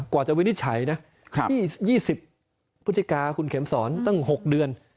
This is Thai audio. กว่าจะวินิจฉัยนะที่๒๐พฤศจิกาคุณเข็มสอนตั้ง๖เดือน